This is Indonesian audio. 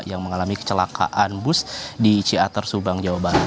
yang mengalami kecelakaan bus di ciater subang jawa barat